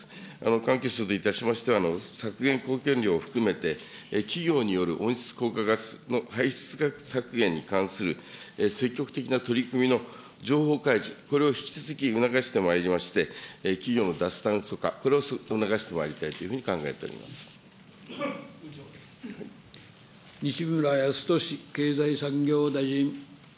環境省といたしましては、削減貢献量を含めて企業による温室効果ガスの排出削減に関する積極的な取り組みの情報開示、これを引き続き促してまいりまして、企業の脱炭素化、これを促してまいりたいというふうに考えており西村康稔経済産業大臣。